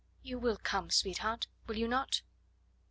You will come, sweetheart, will you not?"